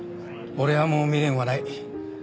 俺はもう未練はない。